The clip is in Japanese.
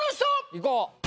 いこう。